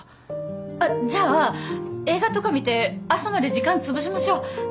えっじゃあ映画とか見て朝まで時間潰しましょう！